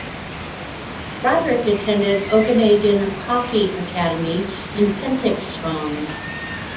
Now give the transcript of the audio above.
Roderick attended Okanagan Hockey Academy in Penticton.